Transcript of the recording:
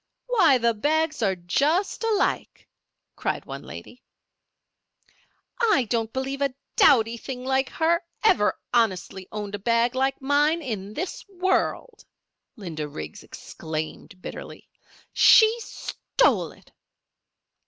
"Why, the bags are just alike!" cried one lady. "I don't believe a dowdy thing like her ever honestly owned a bag like mine in this world!" Linda Riggs exclaimed bitterly, "She stole it."